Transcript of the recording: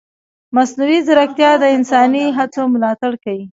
مصنوعي ځیرکتیا د انساني هڅو ملاتړ کوي.